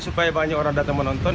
supaya banyak orang datang menonton